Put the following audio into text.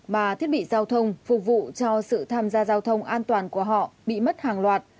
mà thiết bị giao thông phục vụ cho sự tham gia giao thông an toàn của họ bị mất hàng loạt